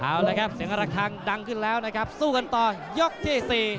เอาละครับเสียงระคังดังขึ้นแล้วนะครับสู้กันต่อยกที่๔